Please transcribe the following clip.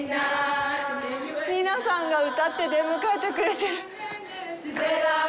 皆さんが歌って出迎えてくれてる。